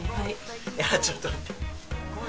いやちょっと。